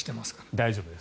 大丈夫です。